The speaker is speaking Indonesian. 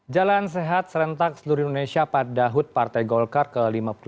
jalan sehat serentak seluruh indonesia pada hut partai golkar ke lima puluh dua